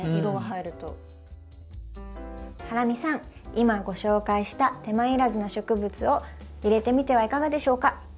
今ご紹介した手間いらずな植物を入れてみてはいかがでしょうか？